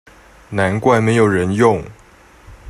難怪沒有人用